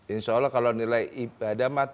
insyaallah kalau nilai ibadah